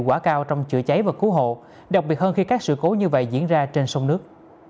quả cao trong chữa cháy và cứu hộ đặc biệt hơn khi các sự cố như vậy diễn ra trên sông nước